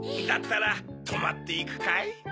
だったらとまっていくかい？